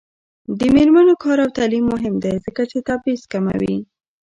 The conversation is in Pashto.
د میرمنو کار او تعلیم مهم دی ځکه چې تبعیض کموي.